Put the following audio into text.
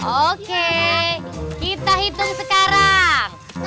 oke kita hitung sekarang